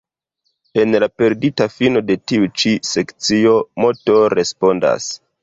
En la perdita fino de tiu ĉi sekcio, Moto respondas.